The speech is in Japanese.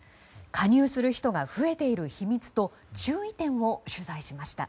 加入する人が増えている秘密と注意点を取材しました。